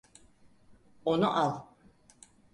Onu al!